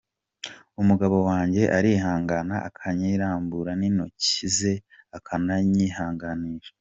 Umugabo wanjye arihangana akayirambura n’intoki ze akananyihanganisha.